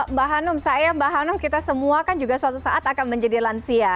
mbak hanum saya mbak hanum kita semua kan juga suatu saat akan menjadi lansia